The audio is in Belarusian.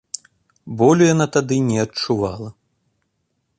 Болю яна тады не адчувала.